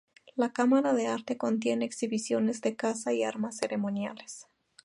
La cámara de arte contiene exhibiciones de caza y armas ceremoniales.